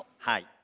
はい。